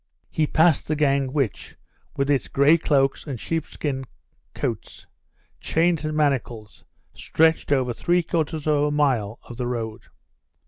He passed the gang, which, with its grey cloaks and sheepskin coats, chains and manacles, stretched over three quarters of a mile of the road.